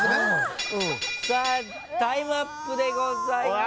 さあタイムアップでございます。